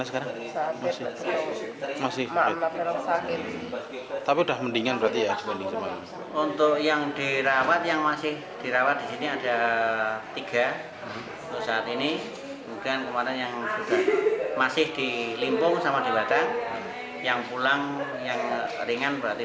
kemudian kemarin yang masih di limpung sama di batang yang pulang yang ringan berarti dua